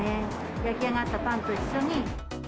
焼き上がったパンと一緒に。